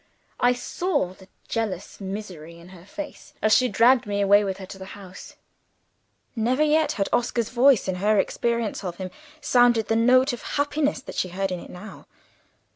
I saw the jealous misery in her face as she dragged me away with here to the house. Never yet had Oscar's voice, in her experience of him, sounded the note of happiness that she heard in it now!